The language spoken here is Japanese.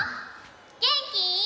げんき。